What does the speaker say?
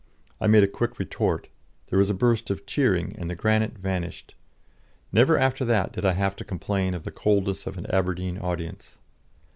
I made a quick retort, there was a burst of cheering, and the granite vanished. Never after that did I have to complain of the coldness of an Aberdeen audience.